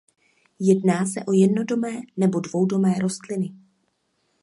Jedná se o jednodomé nebo dvoudomé rostliny.